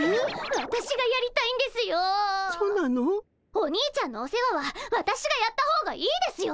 お兄ちゃんのお世話は私がやった方がいいですよね！